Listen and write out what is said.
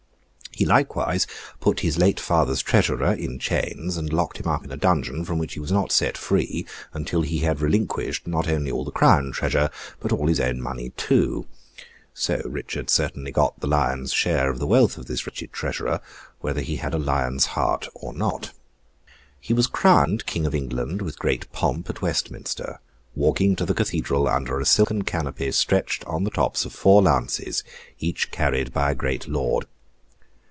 He likewise put his late father's treasurer in chains, and locked him up in a dungeon from which he was not set free until he had relinquished, not only all the Crown treasure, but all his own money too. So, Richard certainly got the Lion's share of the wealth of this wretched treasurer, whether he had a Lion's heart or not. He was crowned King of England, with great pomp, at Westminster: walking to the Cathedral under a silken canopy stretched on the tops of four lances, each carried by a great lord.